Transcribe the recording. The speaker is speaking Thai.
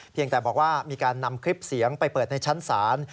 เพียงแต่บอกว่ามีการนำคลิปเสียงไปเปิดในชั้นศาล